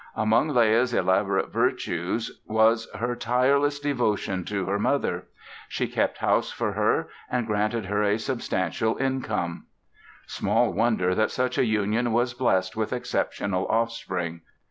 Among Leah's elaborate virtues was her tireless devotion to her mother. She kept house for her and granted her a substantial income. Small wonder that such a union was blessed with exceptional offspring.